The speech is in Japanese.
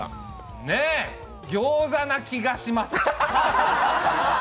餃子な気がします。